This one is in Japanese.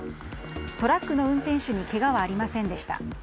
トラックの運転手にけがはありませんでした。